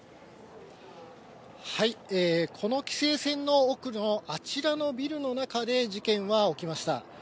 この規制線の奥のあちらのビルの中で事件は起きました。